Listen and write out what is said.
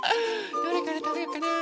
どれからたべようかな？